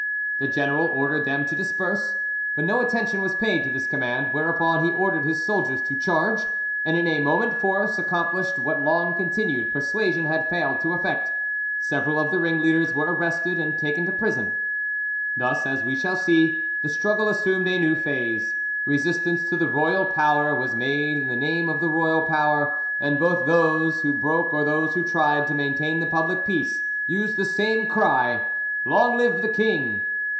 The general ordered them to disperse, but no attention was paid to this command, whereupon he ordered his soldiers to charge, and in a moment force accomplished what long continued persuasion had failed to effect. Several of the ringleaders were arrested and taken to prison. Thus, as we shall see, the struggle assumed a new phase: resistance to the royal power was made in the name of the royal power, and both those who broke or those who tried to maintain the public peace used the same cry, "Long live the king!"